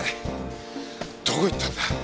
どこ行ったんだ？